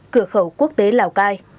cửa khẩu quốc tế lào cai